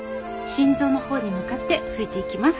心臓のほうに向かって拭いていきます。